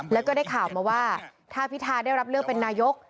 แล้วก็ได้ข่าวมาว่าถ้าพิธาได้รับเลือกเป็นนายก